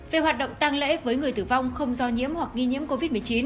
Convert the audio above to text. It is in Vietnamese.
về hoạt động tăng lễ với người tử vong không do nhiễm hoặc nghi nhiễm covid một mươi chín